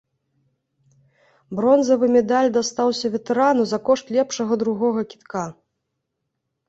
Бронзавы медаль дастаўся ветэрану за кошт лепшага другога кідка.